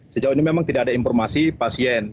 sejauh ini memang tidak ada informasi pasien